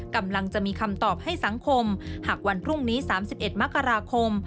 กำลังจะมีคำตอบให้สังคมหากวันพรุ่งนี้๓๑มกราคม